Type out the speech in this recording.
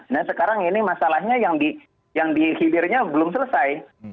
nah sekarang ini masalahnya yang dihilirnya belum selesai